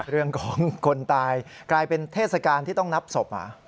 เรื่องของคนตายกลายเป็นเทศกาลที่ต้องนับศพ